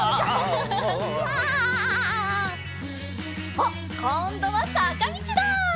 おっこんどはさかみちだ！